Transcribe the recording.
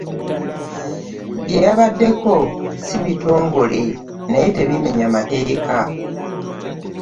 Bye yabaddeko si bitongole naye tebimenya mateeka.